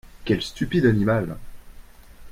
Quel stupide animal !